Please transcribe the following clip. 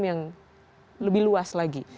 yang lebih luas lagi